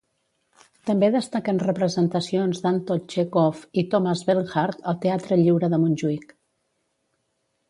També destaquen representacions d'Anton Txékhov i Thomas Bernhard al Teatre Lliure de Montjuïc.